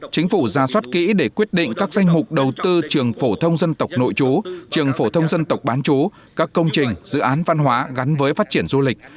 chính phủ ra soát kỹ để quyết định các danh mục đầu tư trường phổ thông dân tộc nội chú trường phổ thông dân tộc bán chú các công trình dự án văn hóa gắn với phát triển du lịch